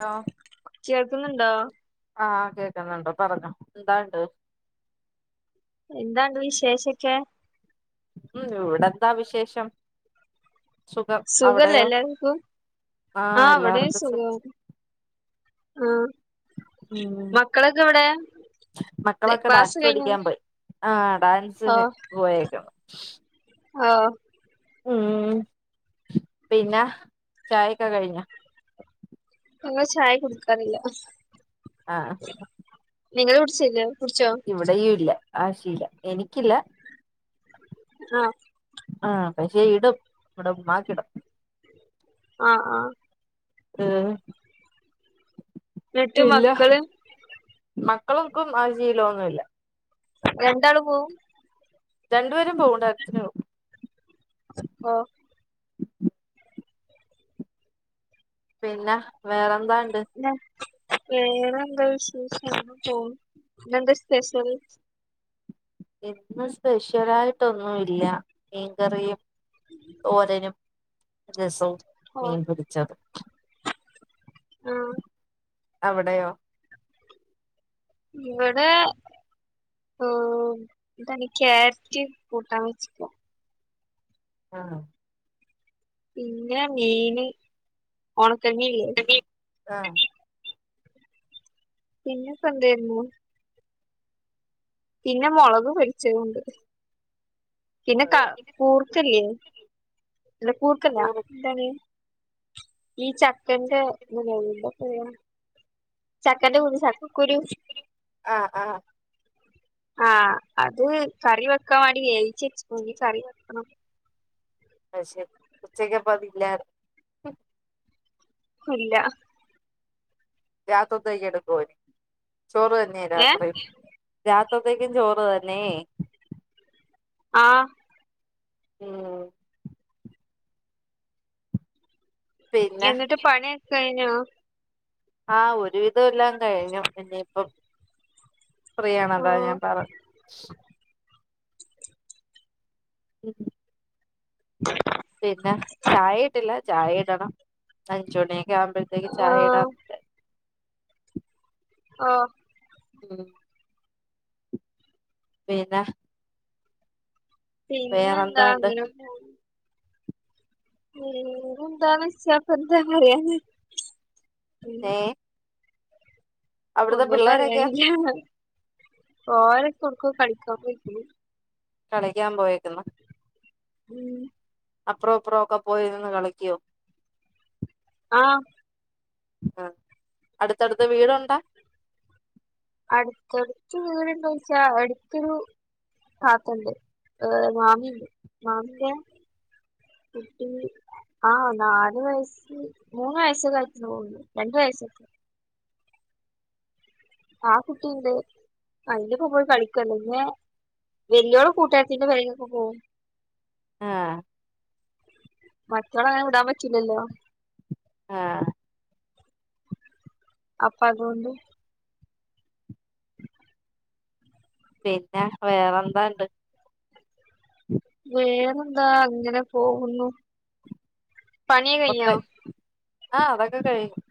Hello കേൾക്കുന്നുണ്ടോ? ആഹ് കേക്കുന്നുണ്ട് പറഞ്ഞോ എന്താണ്ട്? എന്താണ്ട് വിശേഷൊക്കെ? ഉം ഇവിടെന്താ വിശേഷം? സുഖം സുഖല്ല അവിടെയോ എല്ലാവക്കും ആഹ് ഇവിടെയും സുഖം ആഹ് ഉം മക്കളൊക്കെ എവിടെ മക്കളൊക്കെ ക്ലാസ്സ് ഡാൻസ് കഴിഞ്ഞു പഠിക്കാൻ പോയി ആഹ് ഡാൻസിന് പോയേക്കണം. ആഹ് ഉം പിന്നെ ചായൊക്കെ കഴിഞ്ഞു. ഞങ്ങെ ചായ കുടുക്കാറില്ല. ആഹ് നിങ്ങള് കുടിച്ചല്ലേ കുടിച്ചോ? ഇവിടേല്ല ആഹ് ശീലം എനിക്കില്ല. ആഹ് ആഹ് [unintelligible] ഇടും ഇവിടമാക്കിടും ആഹ് ആഹ് മം എന്നിട്ട് ഇല്ല മക്കള് മക്കളക്കും ആഹ് ജീലമൊന്നുമല്ല രണ്ടാള് പോവും രണ്ടുപേരും പോകു [unintelligible] [unintelligible] പിന്നെ വേറെന്താണ്ട് പിന്നെ വേറെന്താ വിശേഷം ഇന്നെന്താ സ്പെഷ്യൽ ഇന്ന് സ്പെഷ്യലായിട്ടൊന്നുല്ല മീൻകറിയും തോരനും രസവും ഓ മീൻ പൊരിച്ചത് ആഹ് അവിടെയോ ഇവിടെ ങ് കാരറ്റ് കൂട്ടാൻ [inaudible] ആഹ് പിന്നെ മീന് ഒണക്കൽ മീൻല്ലേ [unintelligible] ആഹ് പിന്നെ പെ എന്തെയിര്ന്നു പിന്നെ മൊളക് പരിച്ചതുണ്ട് പിന്നെ ക കൂർക്കല്ലേ അല്ല കൂർക്കല്ല എന്താണ് ഈ ചക്കന്റെ [unintelligible] ചെക്കന്റെ കുരു ചക്കക്കുരു ആഹ് ആഹ് ആഹ് അത് കറി വെക്കാൻ വേണ്ടി വേവിച്ച് വച്ച്ക്ക്ണു ഈകറി വെക്കണം അയ് തെര ഉച്ചയ്ക്ക് ഇല്ലായിരുന്നു ഇല്ല രാത്രത്തയ്ക്ക് എടുക്കന് ചോറ് തന്നെയ രാത്ര ഏഹ് രാത്രത്തേക്കും ചോറ് തന്നെ ആഹ് ഉം പിന്നെ എന്നിട്ട് പണിയൊക്ക കഴിഞ്ഞോ? ആഹ് ഒരുവിധം ഇല്ല കഴിഞ്ഞു എ ഫ്രീ ആണ് അതാ ആഹ് ഞാൻ പറ ഉംം പിന്നെ ചായ ഇട്ടില്ല ചായ ഇടണം അഞ്ച് മണിയൊക്കെ ആവുമ്പോഴത്തേക്ക് ചായ ആഹ് ഇടാൻ ആഹ് ഉം വേന്ത പിന്നെന്താ വേറെന്താണ്ട് അങ്ങനെ പോ പിന്നെ ന്തന്നെച്ച എന്ത പറയ ന്ന് ഏഹ് അവിടുത്തെ ഒന്നും പിള്ളേരൊക്കെയോ പറയാനില്ല ഒലൊക്കെ ഒട്ക്കൊ കളിക്കാൻ പോയിക്ക്ണ് കളിക്കാൻ പോയേക്കുന്നു ഉം അപ്പറോ ഇപ്പറോ ഒക്കെ പോയിരുന്ന് കളിക്കു ആഹ് ആഗ് അടുത്തടുത്ത് വീടുണ്ടാ അടുത്തടുത്ത് വീട്ണ്ടൊയിച്ച അട്ത്തൊരു ആക്കണ്ട് ങ് മാമി മാമിന്റെ കുട്ടി ആഹ് നാല് വയസ്സ് മൂന്ന് വയസ്സ് കഴിഞ്ഞെന്ന് തോന്നുന്ന് രണ്ട് വയസ്സ് ആ കുട്ടിയെന്തെ അതിന്റ കൂടെ കളിക്കലില്ലേ വല്യ ഓള് കൂട്ടുകാരിത്തിന്റെ വഴിയിലൊക്കെ പോകും ആഹ് മറ്റവളെ അങ്ങനെ വിടാൻ പറ്റില്ലല്ലോ ആഹ് അപ്പ അതുകൊണ്ട് പിന്ന വേറെന്താ ഒണ്ട് വേറെന്താ അങ്ങനെ പോകുന്നു പണിയൊക്കെ കഴിഞ്ഞോ [unintelligible] ആഹ് അതൊക്കെ കഴിഞ്ഞ്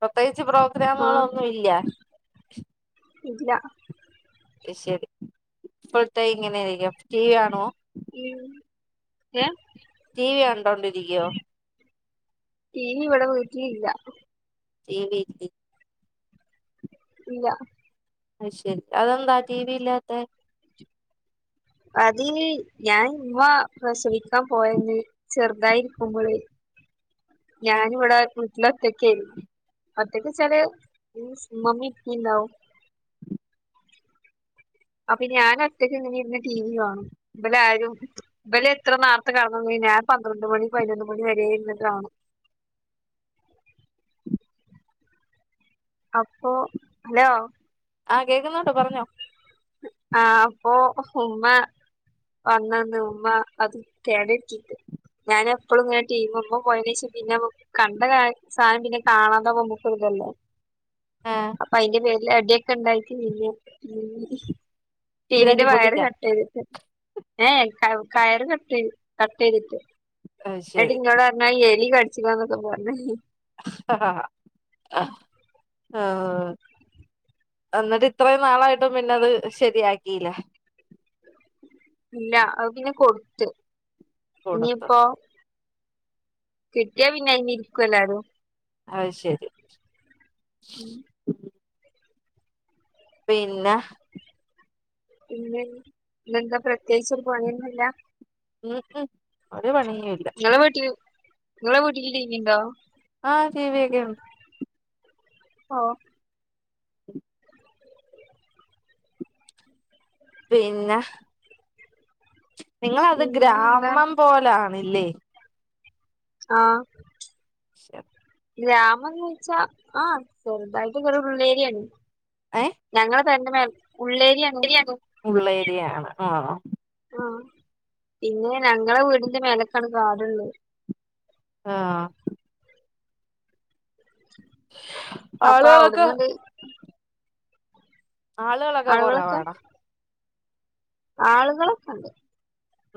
പ്രത്യേകിച്ച് പ്രോ ഗ്രാമുകൾ ആഹ് ഒന്നുമില്ല ഇല്ല അത് ശരി ഫുൾ ടൈം ഇങ്ങനെയിരിക്കും ടി വി കാണോ ഉം ഏഹ് ടി വി കണ്ടോണ്ടിരിക്കോ ടി വി ഇവിടെ വീട്ടിൽ ഇല്ല ടി വി ഇല്ലേ ഇല്ല അയ് ശരി അതെന്താ ടിവി ഇല്ലാത്തെ അത് ഞാൻ ഇവ പ്രസവിക്കാൻ പോയന്ന് ചെറുതായി ഇരിക്കുമ്പളെ ആഹ് ഞാന് ഇവിടെ വീട്ടില് ഒറ്റക്ക് ആയി ഒറ്റക്ക് വെച്ചാല് മീൻസ് മമ്മി പ്പിഇണ്ടാവും അപ്പ ഇനി ഞാൻ ഒറ്റക്ക് ഇങ്ങനെ ഇരുന്ന് ടി വി കാണും ഇവിടെ ആരും ഇവള് എത്ര നേർത്ത് കടന്നന്നി ഞാൻ പന്ത്രണ്ട് മണി പതിനൊന്ന് മണി വരെ ഇരുന്ന് കാണും. അപ്പോ ഹലോ ആഹ് കേക്കുന്നുണ്ട് പറഞ്ഞോ ആഹ് അപ്പൊ ഉമ്മ വന്നന്ന് ഉമ്മ അത് കേടാക്കിട്ട് ഞാനെപ്പളും ഇങ്ങനെ ടീമമ്മ പോയനേഷം പിന്നെ കണ്ട കാ സാധനം പിന്നെ കാണാതാകുമ്പ നമുക്കൊരു ഇതല്ലേ ആഹ് അപ്പൊ അയിന്റെ പേരില് അടിയൊക്കെ ഇണ്ടായിട്ട് നിന്നയ ടി വി ടിവിന്റെ തല്ലി വയർ പൊട്ടിച്ചാ കട്ട് ചെയ്തിട്ട് ഏഹ് വയറ് കട്ട് ചെയും കട്ട് ചെയ്തിട്ട് അത് എന്നിട്ട് ശരി ഇന്നോടു പറഞ്ഞ എലി കടിച്ചതാന്നൊക്കെ പറഞ്ഞ് ആഹ് എന്നിട്ട് ഇത്രയും നാളായിട്ടും പിന്നെ അത് ശരിയാക്കിയില്ലേ ഇല്ല അത് പിന്നെ കൊടുത്ത് കൊടുത്തു ഇനിയിപ്പോ കിട്ടിയാ പിന്നെ ഇനി ഇരിക്കോ എല്ലാരും അത് ശരി പിന്ന പിന്നെ ഇന്ന് എന്താ പ്രത്യേകിച്ച് പണിയൊന്നുല്ല ഉ ഉ ഒരു പണിയും ഇല്ല ഇങ്ങള് വീട്ടില് ഇങ്ങള് വീട്ടില് ടിവി ഉണ്ടോ ആഹ് ടി വി ഒക്കെ ഉണ്ട് ഓഹ് പിന്ന നിങ്ങളത് പിന്നെ എന്താ ഗ്രാമം പോലാണില്ലേ ആഹ് [inaudible] ഗ്രാമംന്ന് വെച്ചാ ആഹ് ചെറുതായിട്ടക്കെ ഒരു ഉള്ളേരിയാണ് ഏയ് ഞങ്ങള് തന്നേ ഉള്ളേരിയ ഉളേളരിയാണ് ആ ആ പിന്നെ ഞങ്ങളെ വീടിന്റെ മേലക്കടാടുള്ളൂ ആഹ് അപ്പൊ ആളുകളൊക്കെ അവിടുന്ന് ആളുകളൊക്കെ കുറവ് ആണോ ആളുകളൊക്കെ ഉണ്ട്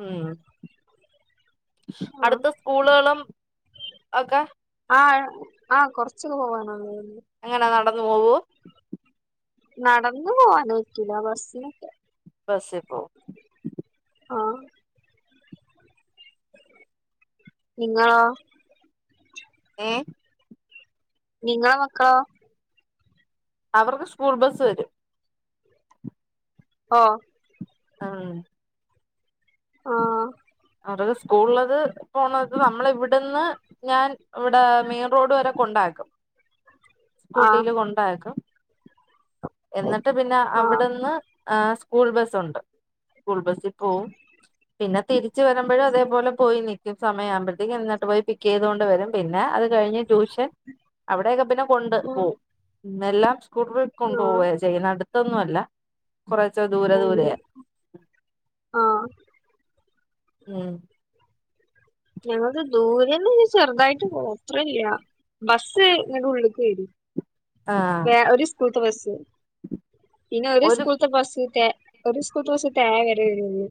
ഉം ആ അടുത്ത സ്കൂളുകളും ഒക്കെ ആ ആ കൊറച്ചൊക്കെ പോവാന എങ്ങനാ നടന്നു. പോോവോ നടന്ന പോകാനക്കില്ല ബസ്സിനൊക്കെ ബസി പ്പോവം ആഹ് നിങ്ങൾ ഏഹ് നിങ്ങളുടെ മക്ക അവർക്ക് സ്കൂൾ ബസ്സ് വരും ആഹ് ആഹ് ആഹ് അവർ സ്കൂൾ ളള്ളത് പോണത് നമ്മള ഇവിടെന്ന് ഞാൻ ഇവിടെ മെയിൻ റോഡ് വരെ കൊണ്ടാക്കും ആഹ് സ്കൂട്ടിൽ കൊണ്ടക്കും എന്നിട്ട് പിന്നെ ആഹ് അവിടുന്ന് ആ സ്കൂൾ ബസ്സുണ്ട് സ്കൂൾ ബസിൽ പോവും പിന്നെ അച്ച വരുമ്പഴും അതേപലെ പോയി നക്ക് സമയയാവുമ്പോഴത്തേക്കും എന്നിട്ട് പോയി പിക്ക് ചെയ്തുക കൊണ്ടോവും പിന്നെ അത് കഴിഞ്ഞഞ് ടൂഷ അവിടൊക്കെ പിന്നെ കൊണ്ട് ഉം പോവും എല്ലാം സ്കൂട്ടറി ആഹ് കൊണ്ടുപോവ ചെയ്യുന്നടുത്ത് ഒന്നുമല്ല കുറച്ച് ദൂരെ ദൂരെ ആഹ ഉം ഞങ്ങളത് ദൂരന്ന് ചെറുതായിട്ട് പോത്രല്ല ബസ്സ് ഇങ്ങളടെ ഉള്ളിൽക്ക് വരും ആഹ് ഒരു സ്കൂൾത്തെ ബസ് പിന്നെ ഒരു സ്കൂളത്തെ ബസ് ഒരു സ്കൂളത്തെ ബസ് തേ വരന്ന്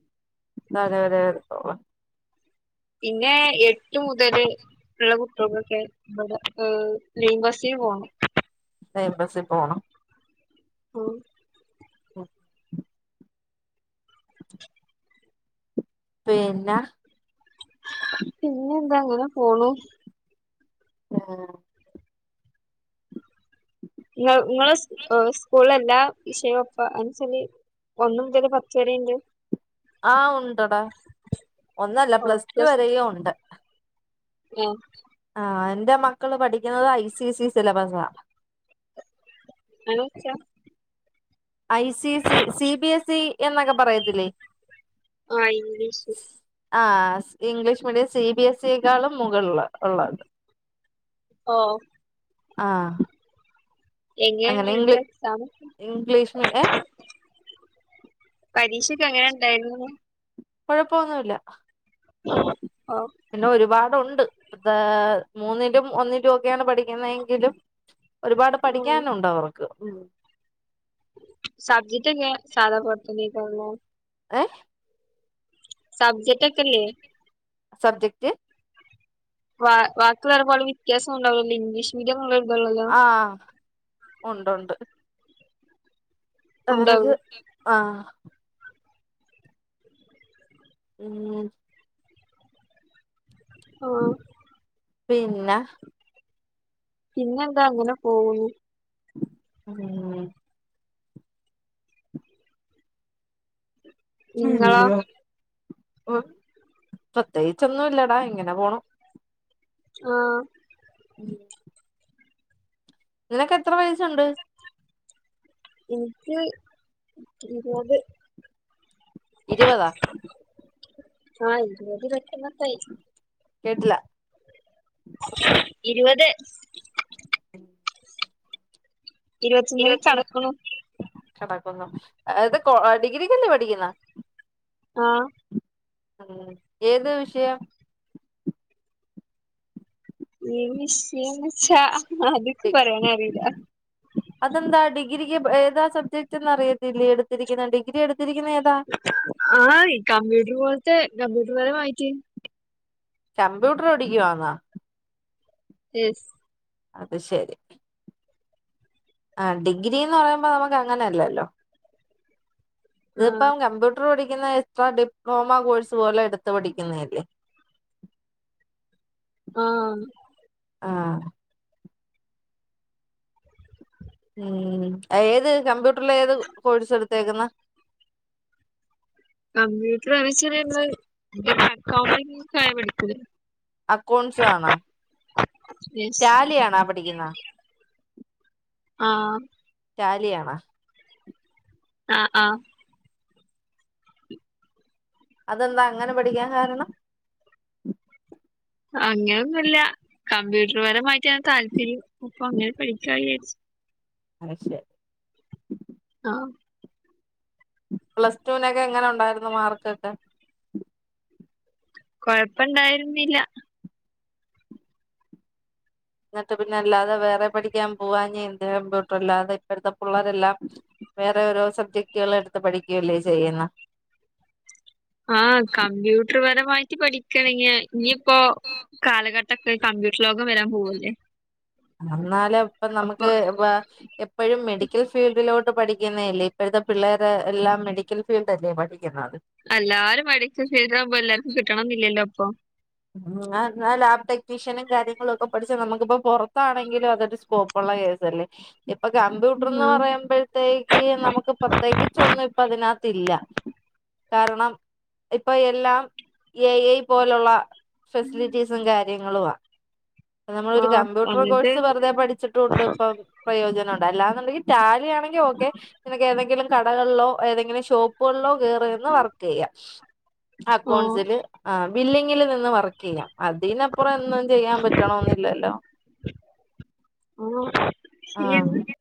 അതെ അതെ വക്കോള പിന്നെ എട്ട് മുതല് ഉള്ള കുട്ടികളൊക്കെ നമ്മടെ ലിംബസിൽ പോണം എംബസി പോകണം ആ ആഹ പിന്നെ പിന്നെ എന്താ അങ്ങനെ പോണു ആഹ ഉം നിങ്ങളെ സ്കൂളല്ല വിഷയപ്പ അനസരി ഒന്നും ഇറ്റത് പത്ത് വര ഉണ്ട് ആഹ ഉണ്ട്ടാ ഒന്നല്ല ഓഹ് പ്ലസ് ടു വരെയും ഉണ്ട് ഓ ആ എന്റെ മക്കള് പഠിക്കുന്നത് ഐ സി ഐ സി സിലബസണ് അണോച്ചാ I C C, C B S E എന്നൊക്കെ പറയത്തില്ലേ. ആഹ് ഇംഗ്ലീഷ്. ആഹ് English medium C B S സിയെക്കാളും മുകള് ള്ള ഓ. ആഹ് അങ്ങനെ എങ്ങനെണ്ട് ങ്ങക്ക് ഇംഗ്ലീ എക്സാമൊക്കെ ഇംഗ്ലീഷ് മീ ഏഹ് പരീഷൊക്കെങ്ങനെണ്ടായിര്ന്നൂ? കൊഴ്പ്പോന്നുല്ല. ഓഹ് പിന്നെ ഒരുപാടൊണ്ട് [unintelligible] മൂന്നിലും ഒന്നി [unintelligible] പഠിക്കുന്നതെങ്കിലും ഒരുപാട് ഉം പഠിക്കാനുണ്ട് അവർക്ക്. സബ്ജറ്റൊക്കെ സാധാ പോല്ത്തന്നേക്കാരു [unintelligible] ഏഹ് സബജെക്റ്റെക്കെല്ല്യേ. സബ്ജെക്റ്റ് വ വാക്കിള്ളോലെ പോലെ വ്യത്യാസണ്ടാവല്ലെ ഇംഗ്ലീഷ് [unintelligible] ആഹ് ഒണ്ട് ഒണ്ട്. അവറക്ക് ഉണ്ടാവും ആഹ്. ഉം. ആഹ് പിന്ന പിന്നെന്താങ്ങനെ പോകുന്നു ഉം നിങ്ങളോ [inaudible] പ്രത്യേകിച്ചൊന്നും ഇല്ലെടാ ഇങ്ങനെ പോണു ആഹ് ഉം നിനക്കെത്ര വയസ്സുണ്ട്? ഇന്ക്ക് ഇരുവത് ഇരുവതോ ആഹ് ഇര് വത് ഇരുവത്താന്നൊക്കായി. കേട്ട്ല ഇരുവത് ഇരുപത്തൊന്നിന് ഇരുവത്തൊന്ന് കടക്കണു [unintelligible] എത് കോ ഡിഗ്രിക്കല്ലേ പഠിക്കുന്നേ. ആഹ് ഉം ഏത് വിഷയം? ഏത് വിഷയെന്നെച്ചാ അത് [inaudible] അതെന്താ ഡിഗ്രിക്ക് ഏതാ സബ്ജക്റ്റെന്നറിയത്തില്ലേ എടുത്തിരിക്ക്ന്ന ഡിഗ്രി എടുത്തിരിക്ക്ന്നേ ഏതാ? ആഹ് കമ്പ്യൂട്ട്റ് പോല്ത്തെ കംമ്പ്യൂട്ട്റ്പരമായിറ്റ്. കമ്പ്യൂട്ടറ് പഠിക്കുവാന്നോ? എസ് അത് ശെരി. ആഹ് ഡിഗ്രിന്നറയുമ്പോ നമുക്ക് അങ്ങനെല്ലല്ലോ ആഹ് ഇത്പ്പം കംമ്പ്യൂ ട്ടറ് പഠിക്കുന്നേ എക്സ്ട്രാ ഡിപ്ലോമ കോഴ്സ് പോലെ എടുത്ത് പഠിക്കുന്നേല്ലേ. ആഹ് ആഹ് ഉം ഏത് കമ്പ്യൂട്ടറ്ലേത് കോഴ്സ് എടുത്തേക്ക്ന്നേ? കമ്പ്യൂട്ടറ് [unintelligible] അക്കൌണ്ടിംഗ്സാ പഠിച്ചത്. അക്കൗൺസാണോ യെസ് റ്റാലിയാണോ പട് ഠിക്കുന്നെ ആഹ് റ്റാലിയാണ ആഹ് ആഹ് അതെന്താ അങ്ങനെ പഠിക്കാൻ കാരണം അങ്ങനെ ഒന്നുല്ല കമ്പ്യൂട്ടർപരമായിട്ടാണ് താല്പര്യം അപ്പൊ അങ്ങനെ പഠിക്കാ വിചാരിച്ചു [unintelligible] ആഹ് പ്ലസ് ടു നൊക്കെ എങ്ങനെ ഉണ്ടായിരുന്നു മാർക്കൊക്കെ കൊഴപ്പണ്ടായിരുന്നില്ല എന്നിട്ട് പിന്നെ അല്ലാതെ വേറെ പഠിക്കാൻ പോവാഞ്ഞെ എന്ത് കമ്പ്യൂട്ടർ അല്ലാതെ ഇപ്പഴത്തെ പിള്ളേരെല്ലാം വേറെ ഓരോ സബ്ജക്ടുകൾ എടുത്ത് പഠിക്കല്ലേ ചെയ്യുന്നെ ആഹ് കമ്പ്യൂട്ടർപരമായിട്ട് പഠിക്കണെങ്ങേ ഇനിയിപ്പോ കാലഘ ട്ടൊക്കെ കമ്പ്യൂട്ടർ ലോകം വരാൻ പോവല്ലേ അന്നാലും ഇപ്പ അപ്പൊ നമുക്ക് ഇപ്പ എപ്പഴും മെഡിക്കൽ ഫീൽഡിലോട്ട് പഠിക്കുന്നയല്ലേ ഇപ്പോഴത്തെ പിള്ളേരെ എല്ലാം മെഡിക്കൽ ഫീൽഡല്ലേ പഠിക്കുന്നത് എല്ലാരും മെഡിക്കൽ ഫീൽടാകുമ്പോ എല്ലാര്ക്കും കിട്ടണം എന്നില്ലല്ലോ ഇപ്പൊ ഉം എന്നാൽ ലാബ് ടെക്നീഷ്യനും കാര്യങ്ങളോക്കെ പഠിച്ചാ നമുക്കിപ്പോ പോറത്താണെങ്കിലും അതൊരു സ്കോ പ്പുള്ള കേസല്ലേ ഇപ്പൊ കമ്പ്യൂട്ടർന്ന് ആഹ് പറയുമ്പയ് തെക്ക് നമുക്ക് പ്രത്യേകിച്ചൊന്നും ഇപ്പതിനാത്തില്ല കാരണം ഇപ്പം എല്ലാം എ ഐ പോലുള്ള ഫെസിലിറ്റീസും കാര്യങ്ങളു ആഹ് നമ്മളൊരു ആഹ് കമ്പ്യൂട്ടർ അങ്ങനത്തെ കോഴ്സ് വെറുതെ പഠിച്ചിട്ടോണ്ട് ഇപ്പം പ്രയോജനം ഉണ്ടോ അല്ലാന്നുണ്ടെങ്കിൽ റ്റാലിയാണെങ്കി ഓക്കെ നിനക്ക് ഏതെങ്കിലും കടകൾലോ ഏതെങ്കിലും ഷോ പ്പ് കൾലോ കേറിയിരുന്ന് വർക്കെയ്യ ആഹ് അക്കൗണ്ട്സില് ആഹ് ബില്ലിങ്ങില് നിന്ന് വർ വർക്കേയ്യാം അതിനപ്പുറം ഒന്നും ചെയ്യാൻ പറ്റണോന്നില്ലല്ലോ ആഹ് [inaudible]